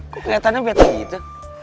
kok keliatannya bete gitu